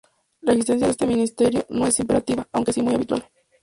La existencia de este ministerio no es imperativa, aunque sí muy habitual.